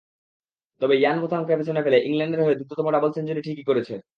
তবে ইয়ান বোথামকে পেছনে ফেলে ইংল্যান্ডের হয়ে দ্রুততম ডাবল সেঞ্চুরি ঠিকই করেছেন।